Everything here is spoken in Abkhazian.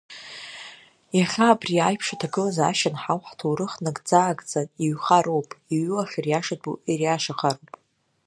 Иахьа, абри аиԥш аҭагылазаашьа анҳау, ҳҭоурых нагӡаагӡан иҩхароуп, иҩу ахьыриашатәу ириашахароуп.